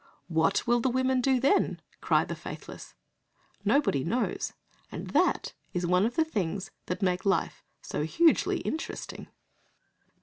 "What will the women do then?" cry the faithless. Nobody knows, and that is one of the things that make life so hugely interesting.